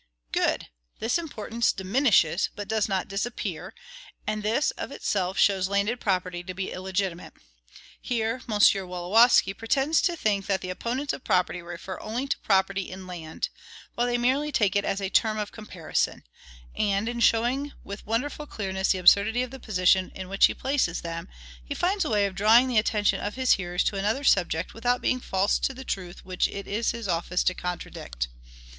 Good! this importance DIMINISHES, but it does not DISAPPEAR; and this, of itself, shows landed property to be illegitimate. Here M. Wolowski pretends to think that the opponents of property refer only to property in land, while they merely take it as a term of comparison; and, in showing with wonderful clearness the absurdity of the position in which he places them, he finds a way of drawing the attention of his hearers to another subject without being false to the truth which it is his office to contradict.